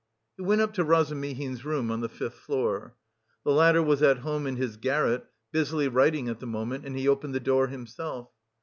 He went up to Razumihin's room on the fifth floor. The latter was at home in his garret, busily writing at the moment, and he opened the door himself.